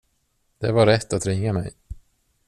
Det var rätt att ringa mig.